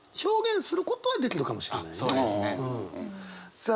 さあ